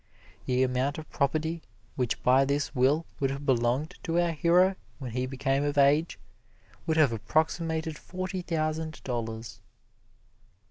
The amount of property which by this will would have belonged to our hero when he became of age would have approximated forty thousand dollars.